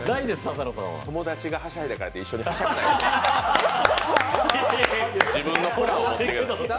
友達がはしゃいでたからって一緒にはしゃいだらあかん。